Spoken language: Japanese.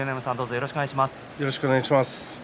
よろしくお願いします。